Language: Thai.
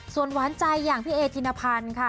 ส่วนหวานใจอย่างพี่เอธินพันธ์ค่ะ